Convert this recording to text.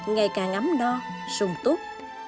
ngày càng ấm no sùng tút